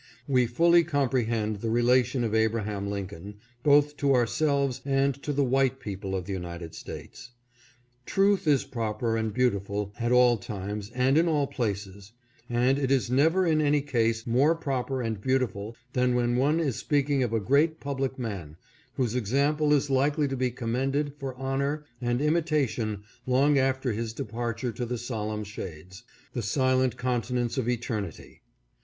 We fully compre hend the relation of Abraham Lincoln both to ourselves and 588 ABRAHAM LINCOLN — THE WHITE MAN'S PRESIDENT. to the white people of the United States. Truth is proper and heautiful at all times and in all places and it is never in any case more proper and beautiful than when one is speaking of a great public man whose example is likely to be commended for honor and imitation long after his departure to the solemn shades, — the silent continents of eternity.